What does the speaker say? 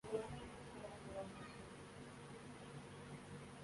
skimming کے شکار account holders کو بینک پوری ادائیگی کرے اسٹیٹ بینک